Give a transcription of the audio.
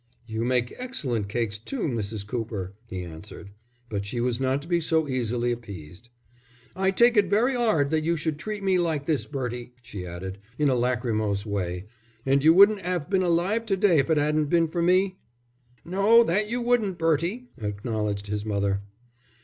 "You make excellent cakes too, Mrs. Cooper," he answered. But she was not to be so easily appeased. "I take it very 'ard that you should treat me like this, Bertie," she added, in a lachrymose way. "And you wouldn't 'ave been alive to day if it 'adn't been for me." "No, that you wouldn't, Bertie!" acknowledged his mother.